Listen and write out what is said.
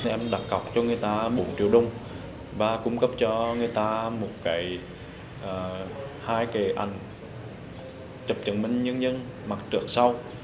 em đặt cọc cho người ta bốn triệu đồng và cung cấp cho người ta hai cái ảnh chụp chứng minh nhân dân mặt trượng sau